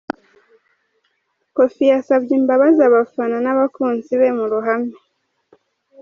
Kofi yasabye imbabazi abafana n’abakunzi be mu ruhame